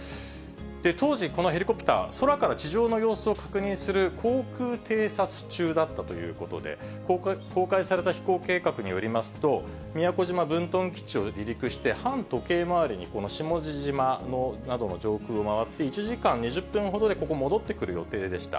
当時、このヘリコプター、空から地上の様子を確認する航空偵察中だったということで、公開された飛行計画によりますと、宮古島分屯基地を離陸して、反時計回りにこの下地島などの上空を回って、１時間２０分ほどで戻ってくる予定でした。